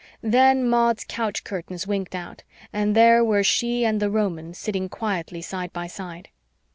Then Maud's couch curtains winked out and there were she and the Roman sitting quietly side by side.